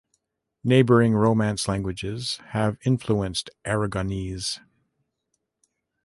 Neighboring Romance languages have influenced Aragonese.